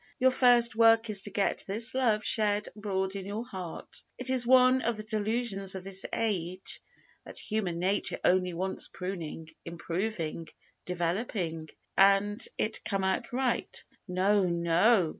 Your first work is to get this love shed abroad in your heart. It is one of the delusions of this age that human nature only wants pruning, improving, developing, and it come out right. No, no!